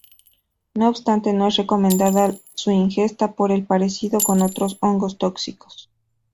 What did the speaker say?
No obstante no es recomendada su ingesta por el parecido con otros hongos tóxicos.